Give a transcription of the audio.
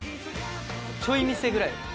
ちょい見せぐらい。